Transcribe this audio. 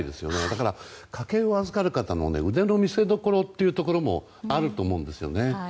だからね、家計を預かる方の腕の見せどころというのもあると思うんですね。